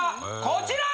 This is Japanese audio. こちら！